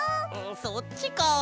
そっちか。